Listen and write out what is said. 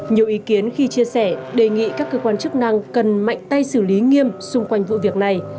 nhiều ý kiến khi chia sẻ đề nghị các cơ quan chức năng cần mạnh tay xử lý nghiêm xung quanh vụ việc này